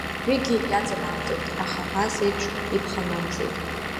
Уажәыгьы иаҵанамҵеит, аха ԥасеиԥш иԥханамҵеит.